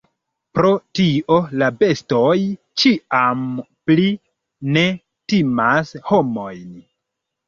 Pro tio la bestoj ĉiam pli ne timas homojn.